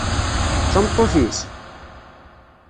D tameṭṭut-is?